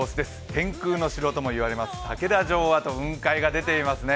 天空の城ともいわれる竹田城跡雲海も出ていますね。